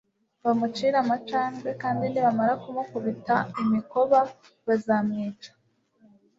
bamucire amacandwe kandi nibamara kumukubita imikoba, bazamwica